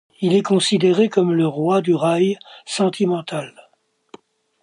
Il est considéré comme le roi du raï sentimental.